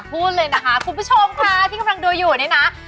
พูดเลยนะคะคุณผู้ชมค่ะที่กำลังดูอยู่นี่นะ